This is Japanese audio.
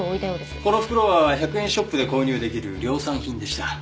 この袋は１００円ショップで購入できる量産品でした。